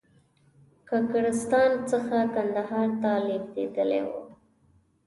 کاکړستان څخه کندهار ته لېږدېدلی و.